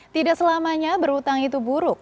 tidak selamanya berhutang itu buruk